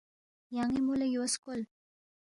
یان٘ی مو لہ یو سکول